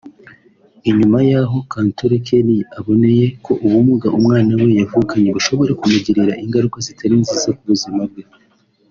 Inyuma yaho Kantore Kelly aboneye ko ubumuga umwana we yavukanye bushobora kumugirira ingaruka zitari nziza ku buzima bwe